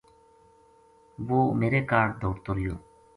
وُہ میرے کاہڈ دوڑتو رہیو